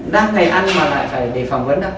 đang ngày ăn mà lại phải để phỏng vấn